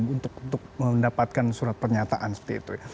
untuk mendapatkan surat pernyataan seperti itu ya